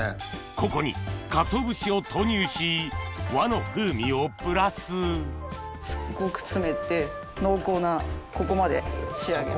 ここに鰹節を投入し和の風味をプラスすっごく詰めて濃厚なここまで仕上げます。